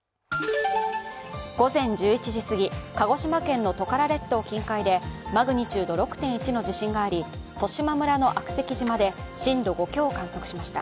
午前１１時過ぎ、鹿児島県のトカラ列島近海でマグニチュード６．１の地震があり十島村の悪石島で震度５強を観測しました。